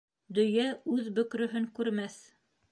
Дөйә үҙ бөкрөһөн күрмәҫ.